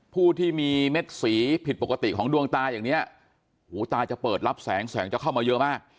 ผู้ที่มีเม็ดสีผิดปกติของดวงตาอย่างนี้หูตาจะเปิดรับแสงแสงจะเข้ามาเยอะมาก